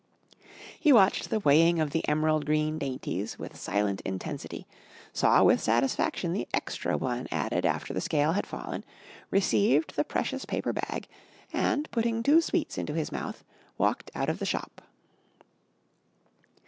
He watched the weighing of the emerald green dainties with silent intensity, saw with satisfaction the extra one added after the scale had fallen, received the precious paper bag, and, putting two sweets into his mouth, walked out of the shop.